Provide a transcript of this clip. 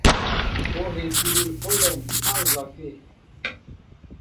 Ó heki mi ólɛm á nzɔkə̂.